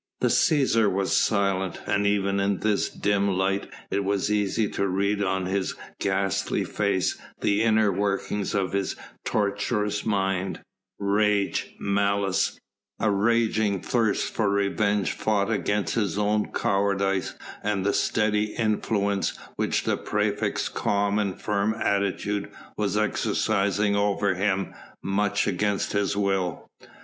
The Cæsar was silent, and even in this dim light it was easy to read on his ghastly face the inner workings of his tortuous mind rage, malice, a raging thirst for revenge fought against his own cowardice and the steady influence which the praefect's calm and firm attitude was exercising over him, much against his will.